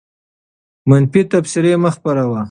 منفي تبصرې مه خپروه.